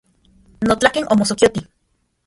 Notlaken omosokioti.